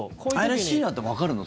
怪しいなってわかるの？